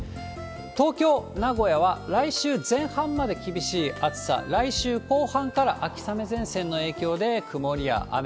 東京、名古屋は来週前半まで厳しい暑さ、来週後半から秋雨前線の影響で、曇りや雨。